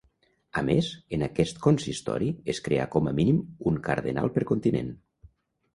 A més, en aquest consistori, es creà com a mínim un cardenal per continent.